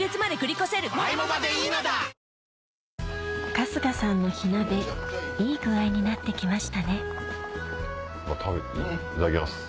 春日さんの火鍋いい具合になって来ましたねいただきます。